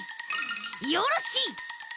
よろしい！